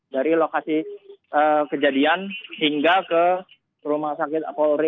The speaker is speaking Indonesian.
dari lokasi kejadian hingga ke rumah sakit polri